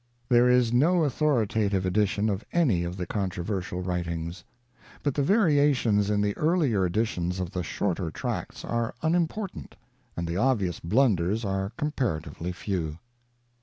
There is no authoritative edition of any of the controversial writings. But the variations in the earlier editions of the shorter tracts are unimportant, and the obvious blunders are comparatively few.